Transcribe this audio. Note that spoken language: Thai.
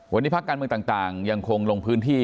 วันนี้ภาคการเมืองต่างยังคงลงพื้นที่